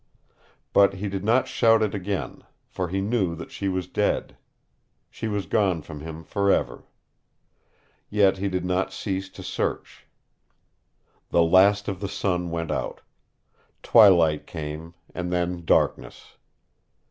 But he did not shout it again, for he knew that she was dead. She was gone from him forever. Yet he did not cease to search. The last of the sun went out. Twilight came, and then darkness.